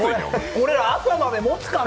俺ら、朝までもつかな。